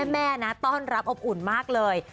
แม่นะต้อนรับอบอุ่นมากเลย